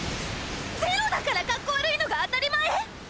ゼロだからかっこ悪いのが当たり前？